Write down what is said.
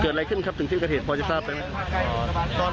อ๋อเกิดอะไรขึ้นครับถึงที่กระเทศพ่อจะทราบได้ไหมครับ